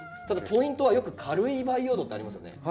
ただポイントはよく軽い培養土ってありますよね。